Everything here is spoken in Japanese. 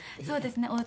そうですね